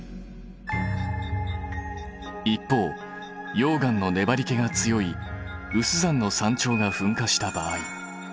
一方溶岩のねばりけが強い有珠山の山頂が噴火した場合。